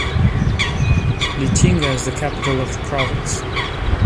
Lichinga is the capital of the province.